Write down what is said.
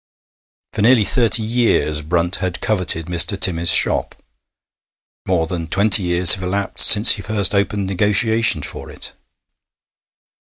For nearly thirty years Brunt had coveted Mr. Timmis's shop; more than twenty years have elapsed since he first opened negotiations for it.